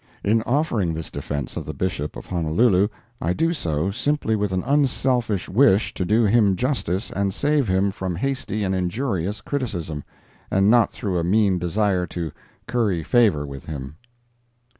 In offering this defense of the Bishop of Honolulu, I do so simply with an unselfish wish to do him justice and save him from hasty and injurious criticism, and not through a mean desire to curry favor with him.